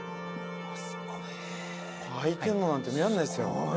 あいてんのなんて見らんないっすよ。